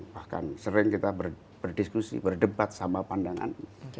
bahkan sering kita berdiskusi berdebat sama pandangan